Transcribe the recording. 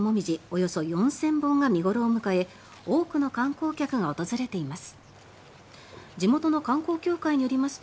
およそ４０００本が見頃を迎え多くの観光客が訪れています。